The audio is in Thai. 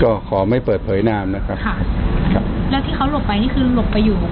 ก็ขอไม่เปิดเผยนามนะครับค่ะครับแล้วที่เขาหลบไปนี่คือหลบไปอยู่